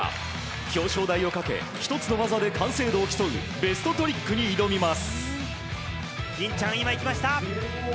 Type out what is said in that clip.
表彰台をかけ１つの技で完成度を競うベストトリックに挑みます。